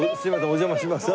お邪魔します。